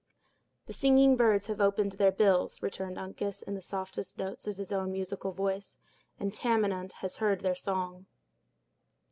"The singing birds have opened their bills," returned Uncas, in the softest notes of his own musical voice; "and Tamenund has heard their song."